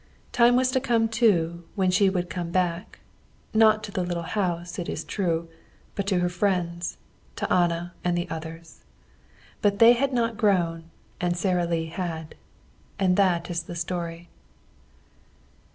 Time was to come, too, when she came back, not to the little house, it is true, but to her friends, to Anna and the others. But they had not grown and Sara Lee had. And that is the story.